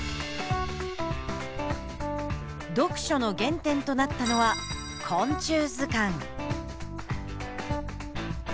読書の原点となったのは昆虫図鑑。